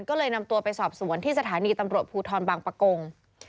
ก็เลยนำตัวไปสอบสวนที่สถานีตำรวจภูทรบางปะกง